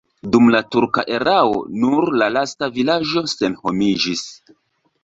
Dum la turka erao nur la lasta vilaĝo senhomiĝis.